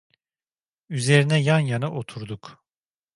Üzerine yan yana oturduk.